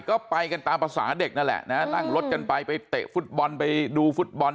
ก็ไปกันตามภาษาเด็กนั่นแหละนะนั่งรถกันไปไปเตะฟุตบอลไปดูฟุตบอล